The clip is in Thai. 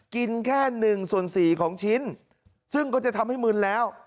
กินแค่๑ส่วน๔ของชิ้นซึ่งก็จะทำให้มึนแล้ว